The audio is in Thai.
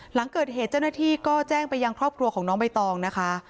หลังเกิดเหตุเจ้าหน้าที่ก็แจ้งไปยังครอบครัวของน้องใบตองนะคะ